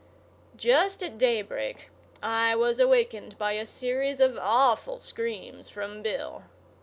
Just at daybreak, I was awakened by a series of awful screams from Bill.